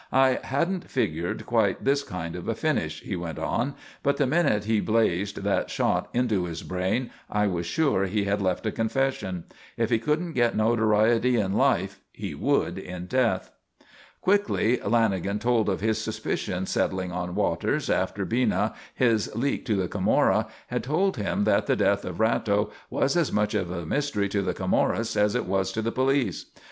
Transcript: "I hadn't figured quite this kind of a finish," he went on. "But the minute he blazed that shot into his brain I was sure he had left a confession. If he couldn't get notoriety in life he would in death." Quickly Lanagan told of his suspicions settling on Waters after Bina, his "leak" to the Camorra, had told him that the death of Ratto was as much of a mystery to the Camorrists as it was to the police.